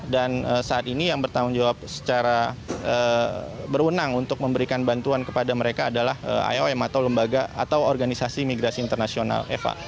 dan saat ini yang bertanggung jawab secara berwenang untuk memberikan bantuan kepada mereka adalah iom atau lembaga atau organisasi migrasi internasional eva